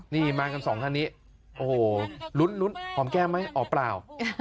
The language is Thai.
นี่มากันสองคันนี้โอ้โหลุ้นหอมแก้มไหมอ๋อเปล่า